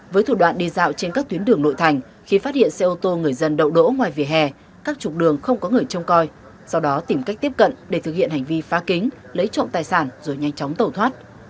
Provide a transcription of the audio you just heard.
với thủ đoạn đi dạo trên các tuyến đường nội thành khi phát hiện xe ô tô người dân đậu đỗ ngoài vỉa hè các trục đường không có người trông coi sau đó tìm cách tiếp cận để thực hiện hành vi phá kính lấy trộm tài sản rồi nhanh chóng tẩu thoát